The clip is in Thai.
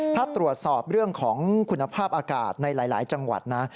ถ้าตรวจสอบเรื่องของคุณภาพอากาศในหลายจังหวัดนะ